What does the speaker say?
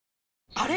あれ？